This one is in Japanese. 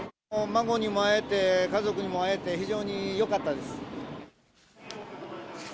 孫にも会えて、家族にも会えて、非常によかったです。